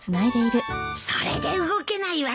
それで動けないわけだ。